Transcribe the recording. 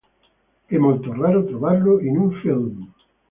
È molto raro trovarlo in un film.